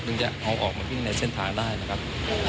พวกเขาออกมาทิ้งไหนเช่นทางได้นะครับ